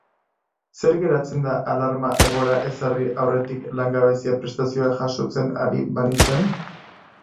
Zer geratzen da alarma egoera ezarri aurretik langabezia-prestazioa jasotzen ari banintzen?